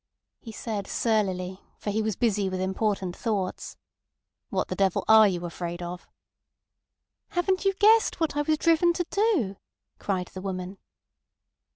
He said surlily, for he was busy with important thoughts: "What the devil are you afraid of?" "Haven't you guessed what I was driven to do!" cried the woman.